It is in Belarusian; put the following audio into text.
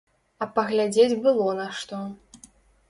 А паглядзець было на што.